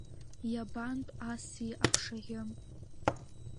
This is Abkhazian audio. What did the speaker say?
Иабантә аси аԥшаӷьы?